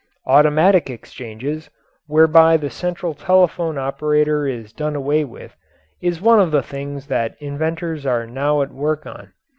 Automatic exchanges, whereby the central telephone operator is done away with, is one of the things that inventors are now at work on.